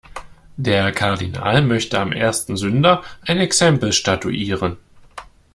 Der Kardinal möchte am ersten Sünder ein Exempel statuieren.